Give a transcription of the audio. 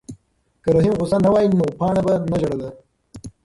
که رحیم غوسه نه وای نو پاڼه به نه ژړله.